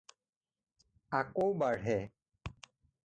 আকৌ বাঢ়ে।